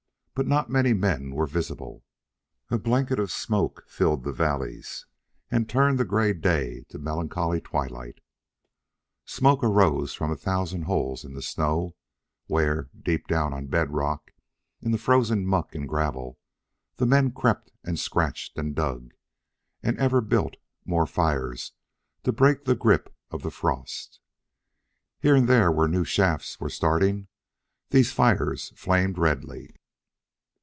But not many men were visible. A blanket of smoke filled the valleys and turned the gray day to melancholy twilight. Smoke arose from a thousand holes in the snow, where, deep down on bed rock, in the frozen muck and gravel, men crept and scratched and dug, and ever built more fires to break the grip of the frost. Here and there, where new shafts were starting, these fires flamed redly.